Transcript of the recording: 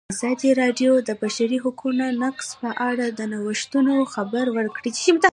ازادي راډیو د د بشري حقونو نقض په اړه د نوښتونو خبر ورکړی.